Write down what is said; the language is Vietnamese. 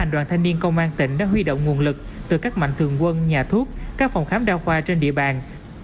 đoàn thanh niên công an tỉnh đã huy động nguồn lực từ các mạnh thường quân nhà thuốc các phòng khám đao khoa trên địa bàn